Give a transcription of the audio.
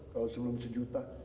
kalau sebelum sejuta